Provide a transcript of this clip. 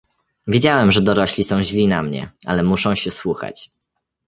"Wiedziałem, że dorośli są źli na mnie, ale muszą się słuchać."